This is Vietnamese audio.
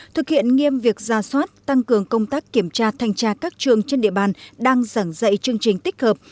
thực hiện nghiêm việc ra soát tăng cường công tác kiểm tra thanh tra các trường trên địa bàn đang giảng dạy chương trình tích hợp